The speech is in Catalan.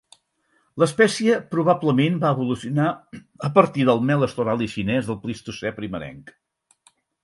L'espècie probablement va evolucionar a partir del "Meles thorali" xinès del Plistocè primerenc.